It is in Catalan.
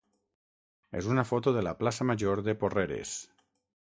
és una foto de la plaça major de Porreres.